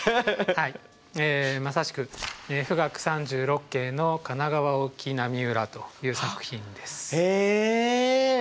はいまさしく「富嶽三十六景」の「神奈川沖浪裏」という作品です。え！